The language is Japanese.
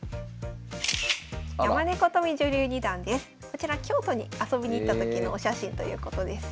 こちら京都に遊びに行った時のお写真ということです。